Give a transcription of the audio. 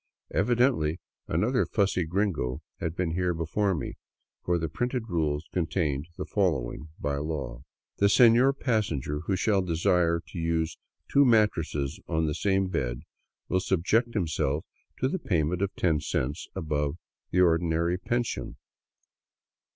Evidently another fussy gringo had been here before me, for the printed rules contained the following by law: " The senor passenger who shall desire to use two mattresses on the same bed will subject himself to the payment of ten cents above the or dinary pension."